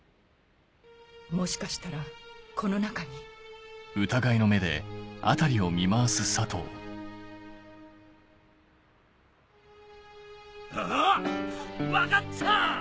もしかしたらこの中にあ！分かった！